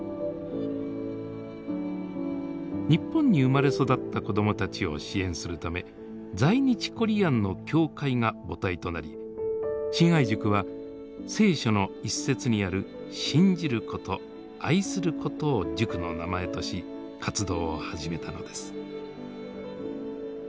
日本に生まれ育った子どもたちを支援するため在日コリアンの教会が母体となり信愛塾は聖書の一節にある「信じること」「愛すること」を塾の名前とし活動を始めたのです。